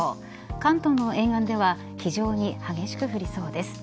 関東の沿岸では非常に激しく降りそうです。